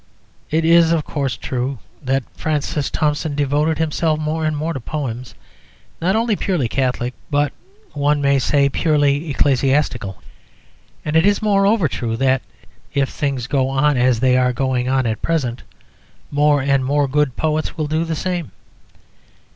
It is, of course, true that Francis Thompson devoted himself more and more to poems not only purely Catholic, but, one may say, purely ecclesiastical. And it is, moreover, true that (if things go on as they are going on at present) more and more good poets will do the same.